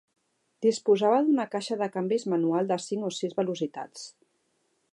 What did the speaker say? Disposava d'una caixa de canvis manual de cinc o sis velocitats.